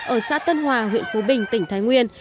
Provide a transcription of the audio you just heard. ở xã tân hòa huyện phú bình tỉnh thái nguyên